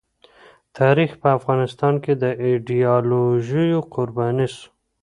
تاریخ په افغانستان کې د ایډیالوژیو قرباني سو.